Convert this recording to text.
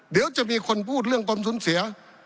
เดี๋ยวจะมีคนพูดเรื่องความสูญเสีย